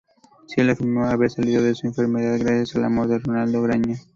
Cielo afirmó haber salido de su enfermedad gracias al amor de Rolando Graña.